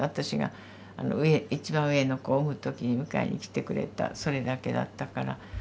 私が一番上の子を産む時に迎えに来てくれたそれだけだったから。